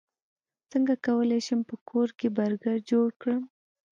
څنګه کولی شم په کور کې برګر جوړ کړم